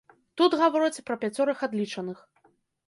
Тут гавораць пра пяцёрых адлічаных.